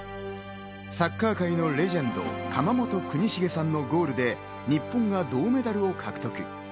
サッカー界のレジェンド・釜本邦茂さんのゴールで日本が銅メダルを獲得。